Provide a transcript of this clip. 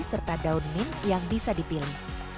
serta daun min yang bisa dipilih